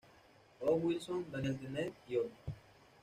O. Wilson, Daniel Dennett y otros.